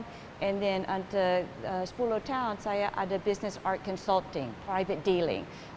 dan di sepuluh tahun saya ada bisnis art consulting